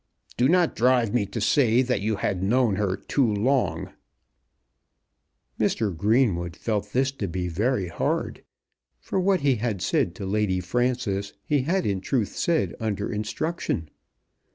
"Do not drive me to say that you had known her too long." Mr. Greenwood felt this to be very hard; for what he had said to Lady Frances he had in truth said under instruction.